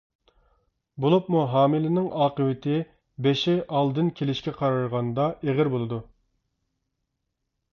بولۇپمۇ ھامىلىنىڭ ئاقىۋىتى بېشى ئالدىن كېلىشكە قارىغاندا ئېغىر بولىدۇ.